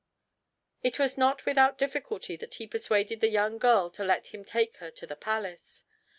It was not without difficulty that he persuaded the young girl to let him take her to the palace.